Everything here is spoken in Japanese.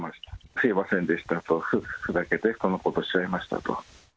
すみませんでしたと、ふざけてこんなことしちゃいましたと。